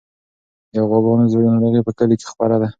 د غواګانو ناروغي په کلي کې خپره ده.